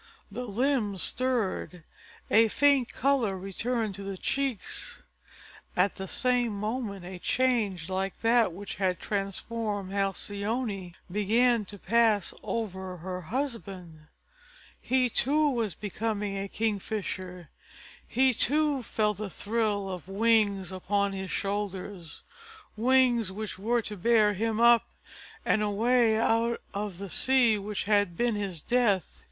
The limbs stirred, a faint color returned to the cheeks. At the same moment a change like that which had transformed Halcyone began to pass over her husband. He too was becoming a Kingfisher. He too felt the thrill of wings upon his shoulders, wings which were to bear him up and away out of the sea which had been his death.